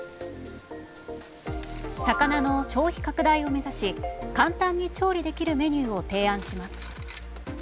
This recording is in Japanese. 魚の消費拡大を目指し簡単に調理できるメニューを提案します。